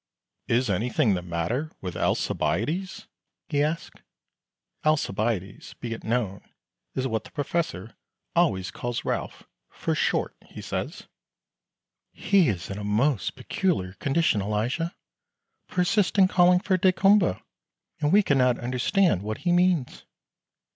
"Is anything the matter with Alcibiades?" he asks. Alcibiades, be it known, is what the Professor always calls Ralph "for short," he says. "He is in a most peculiar condition, Elijah persists in calling for daykumboa, and we can not understand what he means."